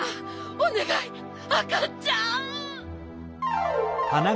おねがいあかちゃん！